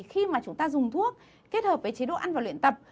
khi mà chúng ta dùng thuốc kết hợp với chế độ ăn và luyện tập